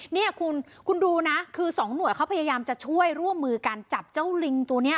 เนี่ยคุณคุณดูนะคือสองหน่วยเขาพยายามจะช่วยร่วมมือกันจับเจ้าลิงตัวนี้